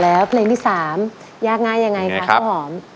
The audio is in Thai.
แล้วเพลงที่๓ยากง่ายยังไงคะข้าวหอม